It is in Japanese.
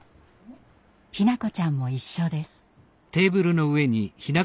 日向子ちゃんも一緒です。